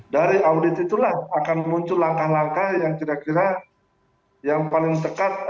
dari audit itulah akan muncul langkah langkah yang kira kira yang paling dekat